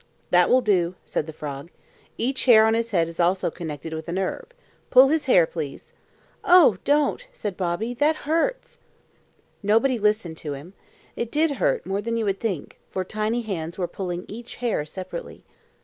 "That will do," said the frog. "Each hair on his head is also connected with a nerve. Pull his hair, please!" "Oh, don't!" said Bobby. "That hurts!" Nobody listened to him. It did hurt, more than you would think, for tiny hands were pulling each hair separately.